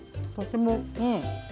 とても。